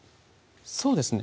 そうですね